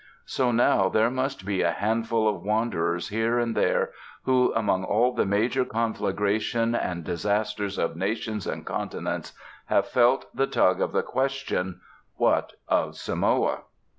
So now there must be a handful of wanderers here and there who, among all the major conflagration and disasters of nations and continents, have felt the tug of the question, "What of Samoa?"